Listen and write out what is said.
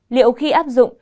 liệu khi áp dụng